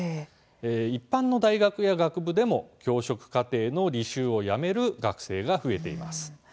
一般の大学や学部でも教職課程の履修をやめる学生が増えています。